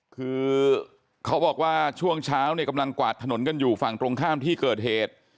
คือเขาบอกว่าช่วงเช้าเนี่ยกำลังกวาดถนนกันอยู่ฝั่งตรงข้ามที่เกิดเหตุ